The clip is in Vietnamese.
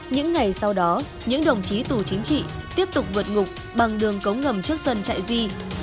những ngày sau đó những đồng chí tù chính trị tiếp tục vượt ngục bằng đường cống ngầm trước sân chạy di